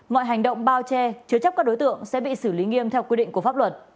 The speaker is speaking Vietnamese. mọi hành động bao che chứa chấp các đối tượng sẽ bị xử lý nghiêm theo quy định của pháp luật